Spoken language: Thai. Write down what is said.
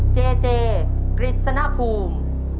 เจเจกริสณภูมิ